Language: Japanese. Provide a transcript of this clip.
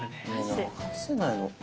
流せないの。